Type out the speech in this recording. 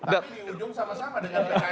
tapi di ujung sama sama dengan pks